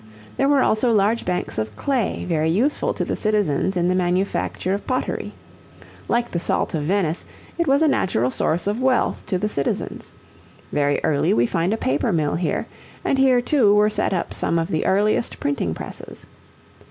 There were also large banks of clay very useful to the citizens in the manufacture of pottery. Like the salt of Venice, it was a natural source of wealth to the citizens. Very early we find a paper mill here, and here, too, were set up some of the earliest printing presses.